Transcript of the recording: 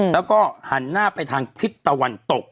แล้วก็หันหน้าไปทางทิศตะวันตก